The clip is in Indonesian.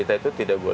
ini untuk apa